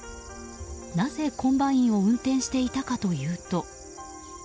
なぜ、コンバインを運転していたかというと。